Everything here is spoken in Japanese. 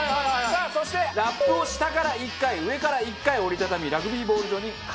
さあそしてラップを下から１回上から１回折り畳みラグビーボール状に軽く包んでください。